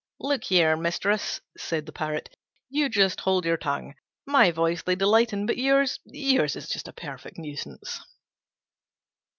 "Look here, mistress," said the Parrot, "you just hold your tongue. My voice they delight in; but yours yours is a perfect nuisance."